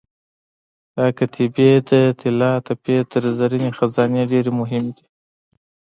دا کتیبې د طلاتپې تر زرینې خزانې ډېرې مهمې دي.